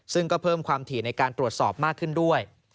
ซึ่งก็เพิ่มความถี่ในการตรวจสอบมากขึ้นด้วย